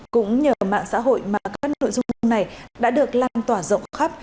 cũng nhờ mạng xã hội mà các nội dung này đã được lan tỏa rộng khắp